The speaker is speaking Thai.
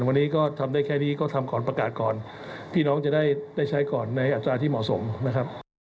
วันนี้ก็ทำได้แค่นี้ก็ทำก่อนประกาศก่อนพี่น้องจะได้ใช้ก่อนในอัตราที่เหมาะสมนะครับ